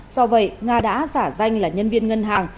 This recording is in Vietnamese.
do vậy nga đã giả danh là nhân viên ngân hàng